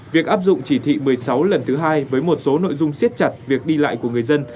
việc áp dụng chỉ thị một mươi sáu lần thứ hai với một số nội dung siết chặt việc đi lại của người dân